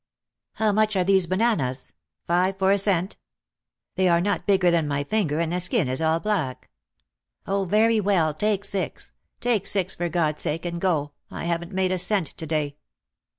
"How much are these bananas? Five for a cent? They are not any bigger than my finger, and the skin is all black." "Oh, very well, take six! Take six for God's sake and go. I haven't made a cent to day."